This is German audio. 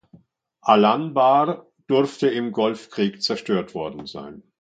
Al-Anbar dürfte im Golfkrieg zerstört worden sein.